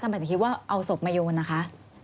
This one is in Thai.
หมายถึงคิดว่าเอาศพมาโยนนะคะ